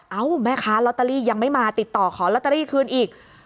แม่ค้าลอตเตอรี่ยังไม่มาติดต่อขอลอตเตอรี่คืนอีก